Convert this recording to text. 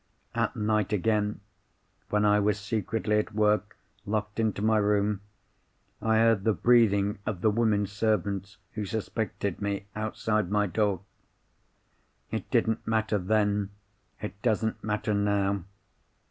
At night again, when I was secretly at work, locked into my room, I heard the breathing of the women servants who suspected me, outside my door. "It didn't matter then; it doesn't matter now.